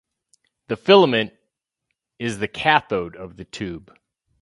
The filament is the cathode of the tube.